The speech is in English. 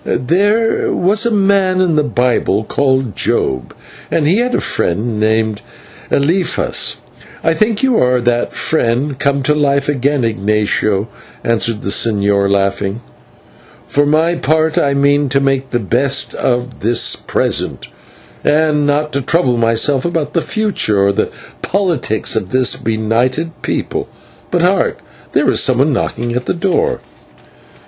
"There was a man in the Bible called Job, and he had a friend named Eliphaz I think you are that friend come to life again, Ignatio," answered the señor, laughing. "For my part, I mean to make the best of the present, and not to trouble myself about the future or the politics of this benighted people. But hark, there is someone knocking at the door."